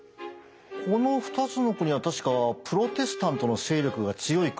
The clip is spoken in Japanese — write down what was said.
この２つの国は確かプロテスタントの勢力が強い国ですよね？